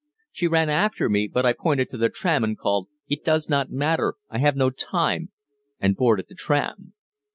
She ran after me, but I pointed to the tram and called, "It does not matter, I have no time," and boarded the tram.